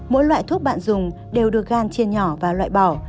mỗi loại thuốc bạn dùng đều được gan trên nhỏ và loại bỏ